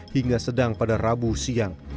hingga sedang pada rabu siang